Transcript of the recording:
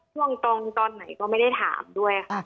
ช่วงตอนไหนก็ไม่ได้ถามด้วยค่ะ